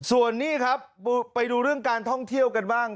ส่วนนี้ครับไปดูเรื่องการท่องเที่ยวกันบ้าง